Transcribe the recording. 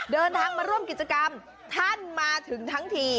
เดินทางมาร่วมกิจกรรมท่านมาถึงทั้งที